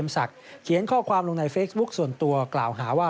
ส่วนตัวกล่าวหาว่า